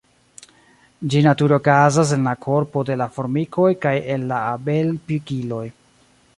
Ĝi nature okazas en la korpo de la formikoj kaj en la abel-pikiloj.